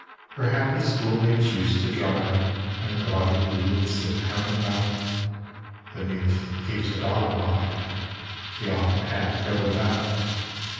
Her happy schoolmates used to drive, On gaudy wheels, the town about; The meat that keeps a dog alive She often had to go without.